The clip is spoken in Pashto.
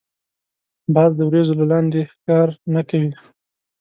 باز د وریځو له لاندی ښکار نه کوي